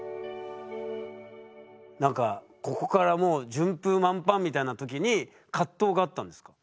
何かここからもう順風満帆みたいな時に葛藤があったんですか？